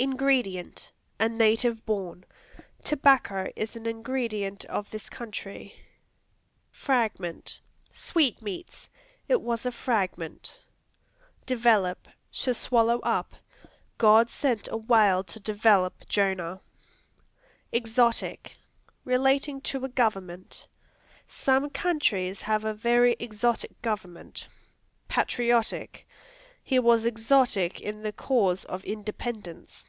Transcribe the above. Ingredient A native born; "Tobacco is an ingredient of this country." Fragment Sweetmeats; "It was a fragment." Develop To swallow up; "God sent a whale to develop Jonah." Exotic Relating to a government; "Some countries have a very exotic government." Patriotic; "He was exotic in the cause of Independence."